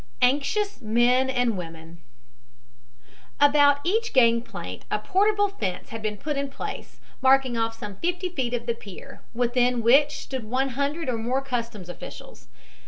ANXIOUS MEN AND WOMEN About each gangplank a portable fence had been put in place, marking off some fifty feet of the pier, within which stood one hundred or more customs officials.